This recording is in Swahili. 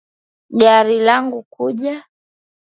Gari langu kuja